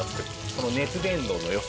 この熱伝導の良さ。